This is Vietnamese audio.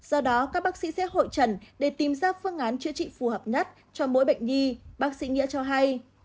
do đó các bác sĩ sẽ hội trần để tìm ra phương án chữa trị phù hợp nhất cho mỗi bệnh nhi bác sĩ nghĩa cho hay